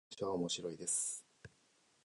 この文章は面白いです。